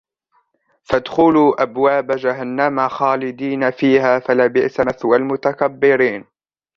فَادْخُلُوا أَبْوَابَ جَهَنَّمَ خَالِدِينَ فِيهَا فَلَبِئْسَ مَثْوَى الْمُتَكَبِّرِينَ